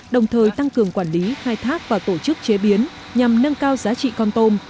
đồng thời tăng cường quản lý khai thác và tổ chức chế biến nhằm nâng cao giá trị con tôm